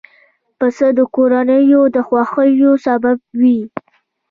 پسه د کورنیو د خوښیو سبب وي.